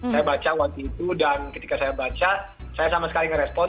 saya baca waktu itu dan ketika saya baca saya sama sekali ngerespon